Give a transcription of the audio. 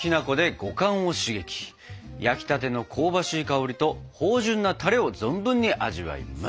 焼きたての香ばしい香りと芳じゅんなたれを存分に味わいます！